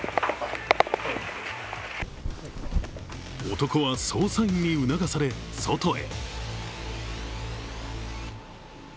男は捜査員に促され、外へ。